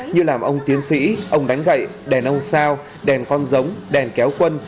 như làm ông tiến sĩ ông đánh gậy đèn ông sao đèn con giống đèn kéo quân